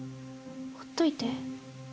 ほっといて。